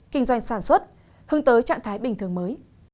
kinh doanh sản xuất hướng tới trạng thái bình thường mới